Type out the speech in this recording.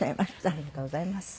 ありがとうございます。